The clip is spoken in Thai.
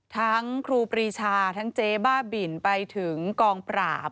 ครูปรีชาทั้งเจ๊บ้าบินไปถึงกองปราบ